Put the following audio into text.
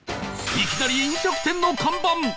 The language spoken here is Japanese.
いきなり飲食店の看板